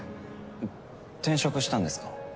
えっ転職したんですか？